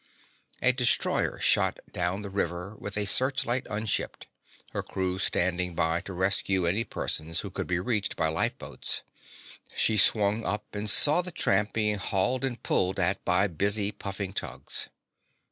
A destroyer shot down the river with a searchlight unshipped, her crew standing by to rescue any persons who could be reached by lifeboats. She swung up and saw the tramp being hauled and pulled at by busy, puffing tugs.